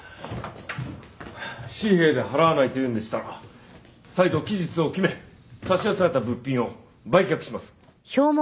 紙幣で払わないというんでしたら再度期日を決め差し押さえた物品を売却します。